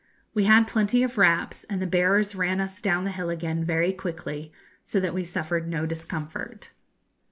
We had plenty of wraps, and the bearers ran us down the hill again very quickly, so that we suffered no discomfort.